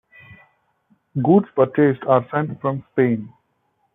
Goods purchased are sent from Spain.